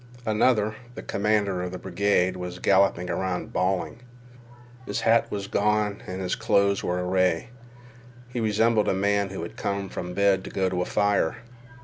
Another, the commander of the brigade, was galloping about bawling. His hat was gone and his clothes were awry. He resembled a man who has come from bed to go to a fire.